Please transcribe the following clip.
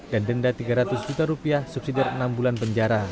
dan denda tiga ratus juta rupiah subsidi dari enam bulan penjara